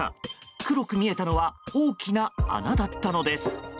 黒く見えたのは大きな穴だったのです。